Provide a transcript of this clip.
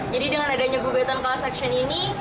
jadi dengan adanya gugatan past action ini